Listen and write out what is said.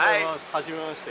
はじめまして。